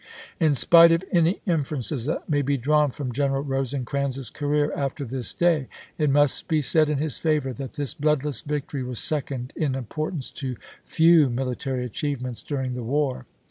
In spite of any inferences that may be drawn from General Rosecrans's career after this day, it must be said in his favor that this bloodless victory was second in importance to few military achievements during the war.